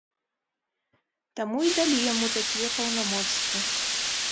Таму і далі яму такія паўнамоцтвы.